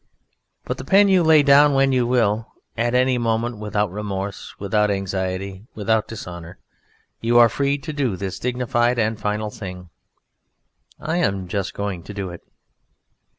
But the pen you lay down when you will. At any moment: without remorse, without anxiety, without dishonour, you are free to do this dignified and final thing (I am just going to do it)....